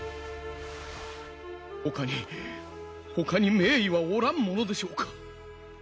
ほかにほかに名医はおらんものでしょうか？